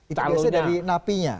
itu biasanya dari nafinya